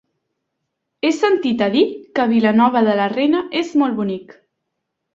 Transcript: He sentit a dir que Vilanova de la Reina és molt bonic.